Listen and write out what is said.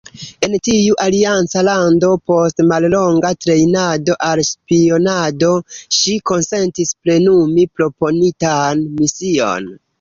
En tiu alianca lando, post mallonga trejnado al spionado, ŝi konsentis plenumi proponitan mision.